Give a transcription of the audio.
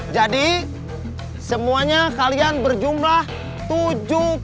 jadi semuanya kalian berjumlah tujuh puluh orang